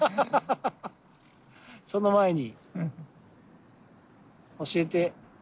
その前に教えて。